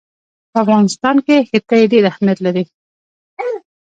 په افغانستان کې ښتې ډېر اهمیت لري.